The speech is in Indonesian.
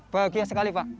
bahagia sekali pak